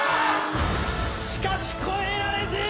しかし越えられず！